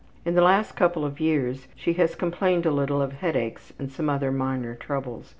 In the last couple of years she has complained a little of headaches and some other minor troubles.